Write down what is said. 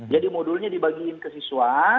jadi modulnya dibagiin ke siswa